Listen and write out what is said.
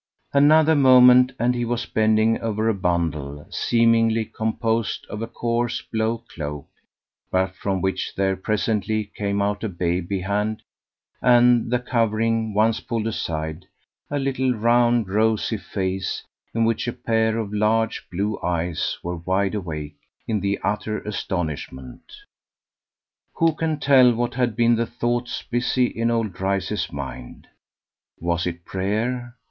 Another moment and he was bending over a bundle seemingly composed of a coarse blue cloak, but from which there presently came out a baby hand and, the covering once pulled aside, a little round rosy face in which a pair of large blue eyes were wide awake in utter astonishment. Who can tell what had been the thoughts busy in old Dryce's mind? Was it prayer?